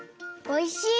おいしい。